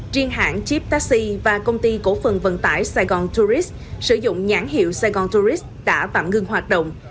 riêng hãng jeep taxi và công ty cổ phần vận tải saigon tourist sử dụng nhãn hiệu saigon tourist đã tạm ngưng hoạt động